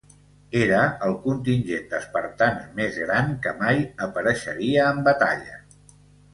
Era el contingent d'espartans més gran que mai apareixeria en batalla.